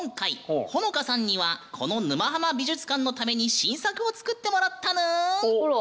ほのかさんにはこの「沼ハマ」美術館のために新作を作ってもらったぬん！